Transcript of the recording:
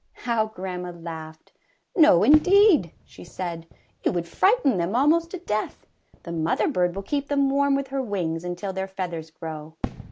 ^' How grandma laughed! ^^No indeed,'^ she said, ^^ou would frighten them almost to death! The mother bird will keep them warm with her wings until their feathers grow."